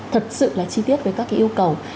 thật sự là chi tiết với các yêu cầu